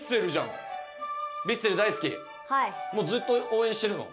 もうずっと応援してるの？